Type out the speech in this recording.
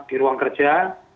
di ruang kerja